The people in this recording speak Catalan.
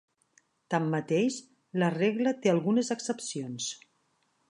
Tanmateix, la regla té algunes excepcions.